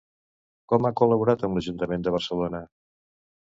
Com ha col·laborat amb l'Ajuntament de Barcelona?